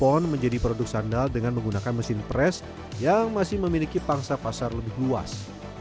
pada saat ini bahkan sudah jadi produk sandal dengan menggunakan mesin press yang masih memiliki pangsa pasar lebih luas